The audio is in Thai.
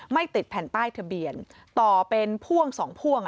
ไม่ติดแผ่นป้ายทะเบียนต่อเป็นพ่วงสองพ่วง